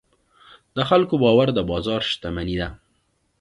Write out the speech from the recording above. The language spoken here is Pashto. د خلکو باور د بازار شتمني ده.